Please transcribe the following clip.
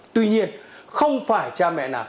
tuy nhiên không phải cha mẹ nào